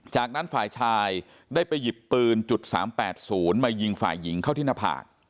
จากนั้นฝ่ายชายได้ไปหยิบปืน๓๘๐มายิงฝ่ายหญิงเข้าที่หน้าผาก